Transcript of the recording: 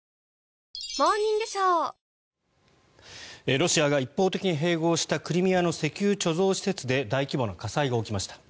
ロシアが一方的に併合したクリミアの石油貯蔵施設で大規模な火災が起きました。